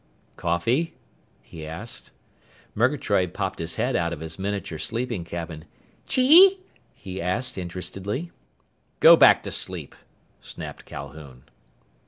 "Coffee?" he asked. Murgatroyd popped his head out of his miniature sleeping cabin. "Chee?" he asked interestedly. "Go back to sleep!" snapped Calhoun.